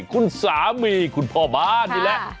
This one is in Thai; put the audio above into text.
คุณสามีคุณพ่อบ้านอีกแล้ว